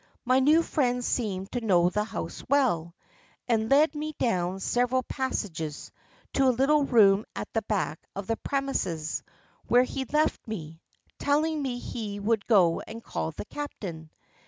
My new friend seemed to know the house well, and led me down several passages, to a little room at the back of the premises, where he left me, telling me he would go and call the captain.